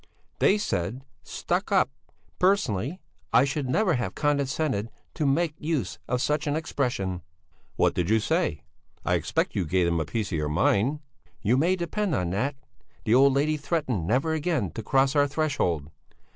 "They said stuck up. Personally I should never have condescended to make use of such an expression." "What did you say? I expect you gave them a piece of your mind?" "You may depend on that! The old lady threatened never again to cross our threshold."